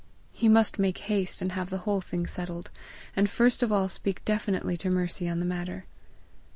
He must make haste and have the whole thing settled! And first of all speak definitely to Mercy on the matter!